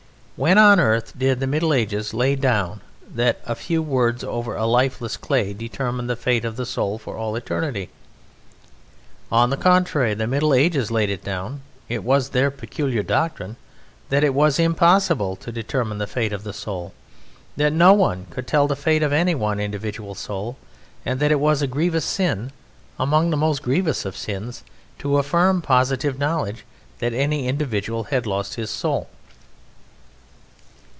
When on earth did the "Middle Ages" lay down that a "few words over lifeless clay determined the fate of the soul for all eternity"? On the contrary, the Middle Ages laid it down it was their peculiar doctrine that it was impossible to determine the fate of the soul; that no one could tell the fate of any one individual soul; that it was a grievous sin, among the most grievous of sins, to affirm positive knowledge that any individual had lost his soul.